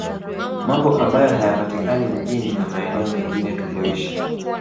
Mambo ambayo hayapatikani mjini na maeneo mengine tukoishi